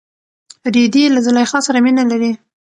رېدی له زلیخا سره مینه لري.